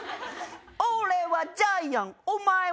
俺はジャイアンお前は？